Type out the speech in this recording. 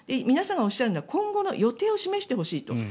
皆さんがおっしゃるのは今後の予定を示してほしいと。